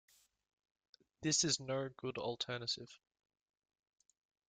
This no good alternative.